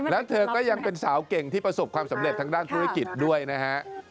แล้วเธอก็ยังเป็นสาวเก่งที่ประสบความสำเร็จทางด้านธุรกิจด้วยนะฮะ